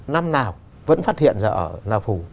năm nào vẫn phát hiện ra ở lạp hồ